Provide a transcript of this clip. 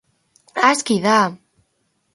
Aski da!